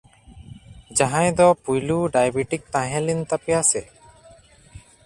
ᱡᱟᱦᱟᱸᱭ ᱫᱚ ᱯᱩᱭᱞᱩ ᱰᱟᱭᱵᱮᱴᱤᱠ ᱛᱟᱦᱮᱸ ᱞᱮᱱ ᱛᱟᱯᱮᱭᱟ ᱥᱮ ᱾